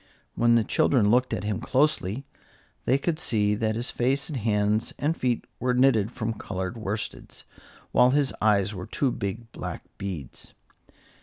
When the children looked at him closely, they could see that his face and hands and feet were knitted from colored worsteds, while his eyes were two big black beads.